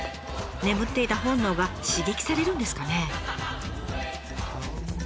眠っていた本能が刺激されるんですかね。